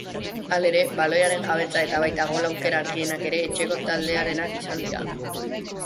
Halere, baloiaren jabetza eta baita gol-aukera argienak ere etxeko taldearenak izan dira.